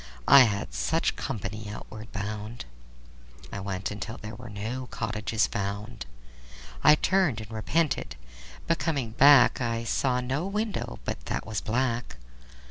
I had such company outward bound. I went till there were no cottages found. I turned and repented, but coming back I saw no window but that was black.